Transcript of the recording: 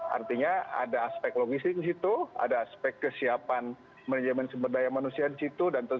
artinya ada aspek logis itu ada aspek kesiapan manajemen sumber daya manusia di situ dan tentu